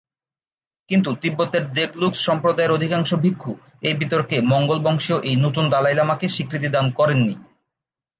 কিন্তু তিব্বতের দ্গে-লুগ্স সম্প্রদায়ের অধিকাংশ ভিক্ষু এই বিতর্কে মঙ্গোল বংশীয় এই নতুন দলাই লামাকে স্বীকৃতি দান করেননি।